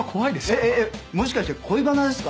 えっえっえっもしかして恋バナですか？